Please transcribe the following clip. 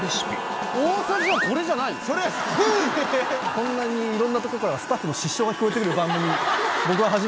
こんなにいろんなとこからスタッフの失笑が聞こえてくる番組。